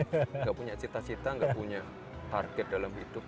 tidak punya cita cita nggak punya target dalam hidup